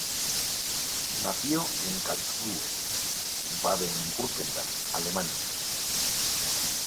Nació en Karlsruhe, Baden-Wurtemberg, Alemania.